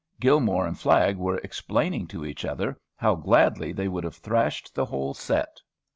Gilmore and Flagg were explaining to each other how gladly they would have thrashed the whole set.